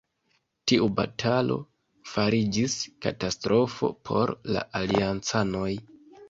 Tiu batalo fariĝis katastrofo por la aliancanoj.